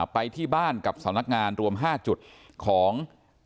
ไปที่บ้านกับสำนักงานรวม๕จุดของ